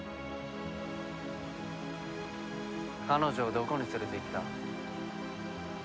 彼女をどこに連れていった？